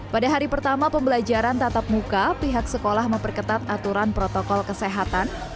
pada hari pertama pembelajaran tatap muka pihak sekolah memperketat aturan protokol kesehatan